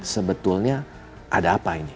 sebetulnya ada apa ini